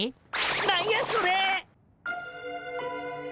何やそれ！